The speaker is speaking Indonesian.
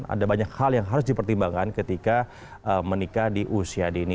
ada banyak hal yang harus dipertimbangkan ketika menikah di usia dini